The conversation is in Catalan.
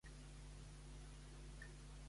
De què era deïtat Athor?